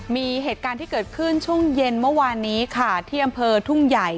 มีเหตุการณ์ที่เกิดขึ้นช่วงเย็นเมื่อวานนี้ค่ะที่อำเภอทุ่งใหญ่